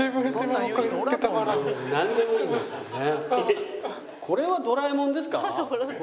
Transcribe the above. なんでもいいんですもんね。